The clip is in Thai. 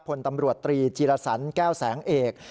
พลตำรวจตรีจีรสันแก้วแสงเอก